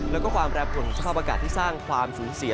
แล้วก็ความแปรผลของสภาพอากาศที่สร้างความสูญเสีย